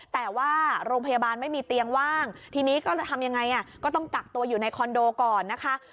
แต่ว่าโรงพยาบาลไม่มีเตียงว่างทีนี้ก็จะทำยังไงก็ต้องกักตัวอยู่ในคอนโดก่อนนะคะ